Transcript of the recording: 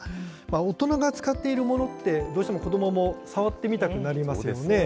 大人が使っているものって、どうしても子どもも触ってみたくなりますよね。